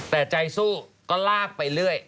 แต่ใจสู้ก็ลากไปเรื่อย